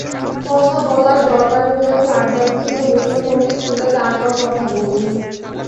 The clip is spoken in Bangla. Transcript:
কথা বলার দরকার হলে চার্জার থেকে মুঠোফোনটি খুলে তারপর কথা বলুন।